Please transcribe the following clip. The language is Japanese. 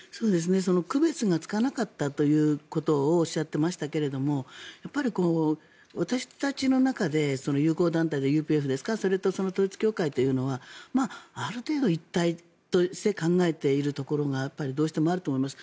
区別がつかなかったということをおっしゃってましたけれども私たちの中で友好団体がＵＰＦですかそれと統一教会というのはある程度一体として考えているところがどうしてもあると思います。